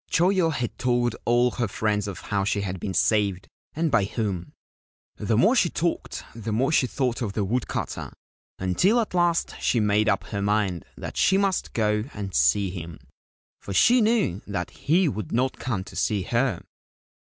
Choyo had told all her friends of how she had been saved and by whom. The more she talked the more she thought of the wood cutter, until at last she made up her mind that she must go and see him, for she knew that he would not come to see her.